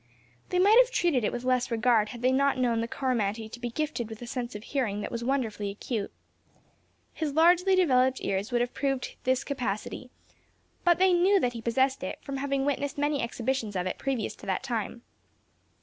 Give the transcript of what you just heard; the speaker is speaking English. They might have treated it with less regard, had they not known the Coromantee to be gifted with a sense of hearing that was wonderfully acute. His largely developed ears would have proved this capacity; but they knew that he possessed it, from having witnessed many exhibitions of it previous to that time.